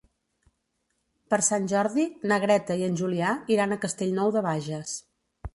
Per Sant Jordi na Greta i en Julià iran a Castellnou de Bages.